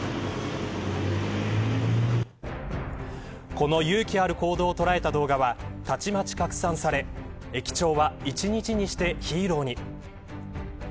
この勇気ある行動を捉えた動画はたちまち拡散され駅長は一日にしてヒーローに。